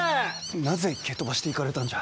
なぜ蹴飛ばしていかれたんじゃ。